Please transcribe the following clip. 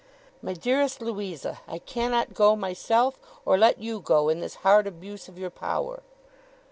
My dearest Louisa, I cannot go myself, or let you go, in this hard abuse of your power.